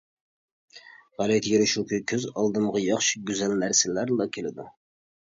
غەلىتە يېرى شۇكى، كۆز ئالدىمغا ياخشى، گۈزەل نەرسىلەرلا كېلىدۇ.